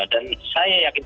dan saya yakin